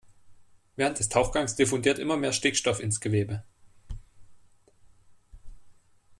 Während des Tauchgangs diffundiert immer mehr Stickstoff ins Gewebe.